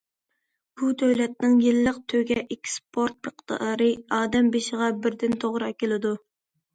بۇ دۆلەتنىڭ يىللىق تۆگە ئېكسپورت مىقدارى ئادەم بېشىغا بىردىن توغرا كېلىدۇ.